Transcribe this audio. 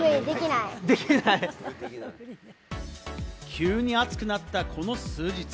急に暑くなったこの数日。